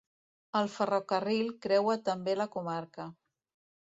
El ferrocarril creua també la comarca.